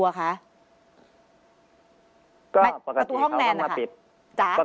ก็ปกติเขาก็มาปิดประตูห้องแนนนะคะ